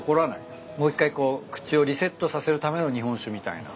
もう一回こう口をリセットさせるための日本酒みたいな。